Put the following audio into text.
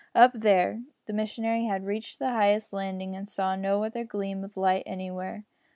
"Up there!" The missionary had reached the highest landing, and saw no other gleam of light anywhere.